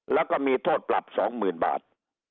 แล้วก็มีโทษปรับ๒๐๐๐บาท